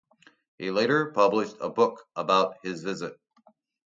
He later published a book about his visit.